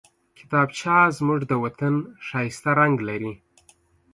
کتابچه زموږ د وطن ښايسته رنګ لري